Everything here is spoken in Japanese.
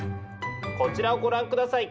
こちらをご覧下さい。